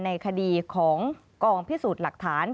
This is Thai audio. ในคดีของกองพิสูจน์หลักฐาน